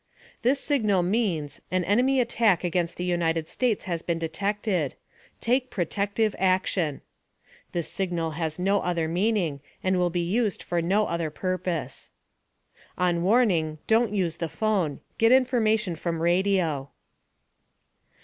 * This signal means: An enemy attack against the United States has been detected. Take protective action. (This signal has no other meaning, and will be used for no other purpose.) * On warning, don't use the phone. Get information from radio.